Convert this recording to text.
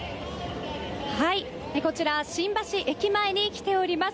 こちら新橋駅前に来ております。